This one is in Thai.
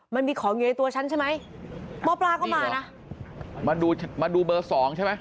มันมีของอยู่ในตัวฉันใช่ไหมหมอปลาก็มานะมาดูมาดูเบอร์สองใช่ไหม